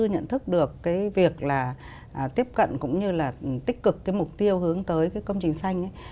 nhận thức được cái việc là tiếp cận cũng như là tích cực cái mục tiêu hướng tới cái công trình xanh ấy